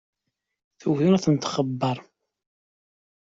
Tugi ad tent-txebber.